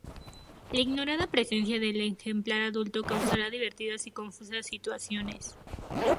La ignorada presencia del ejemplar adulto causará divertidas y confusas situaciones.